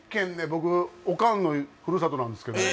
僕おかんのふるさとなんですけどね